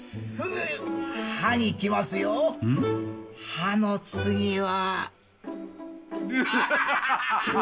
歯の次は。